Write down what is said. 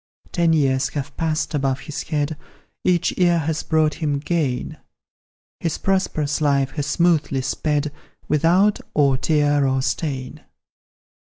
Ten years have passed above his head, Each year has brought him gain; His prosperous life has smoothly sped, Without or tear or stain.